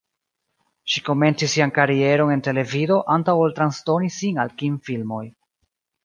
Ŝi komencis sian karieron en televido antaŭ ol transdoni sin al kinfilmoj.